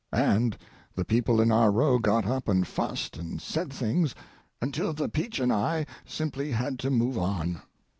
And the people in our row got up and fussed and said things until the peach and I simply had to move on.